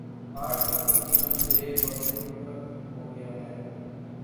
آج وہ تقریبا بے وقعت ہو گیا ہے